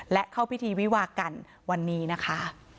และเข้าพิธีวิวากันวันนี้นะคะ